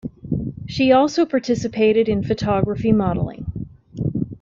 She also participated in photography modeling.